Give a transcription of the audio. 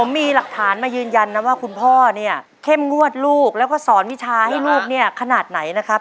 มีหลักฐานมายืนยันนะว่าคุณพ่อเนี่ยเข้มงวดลูกแล้วก็สอนวิชาให้ลูกเนี่ยขนาดไหนนะครับ